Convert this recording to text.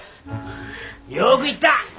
よく言った！